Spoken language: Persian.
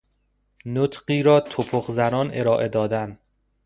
نطقی را تپق زنان ارائه دادن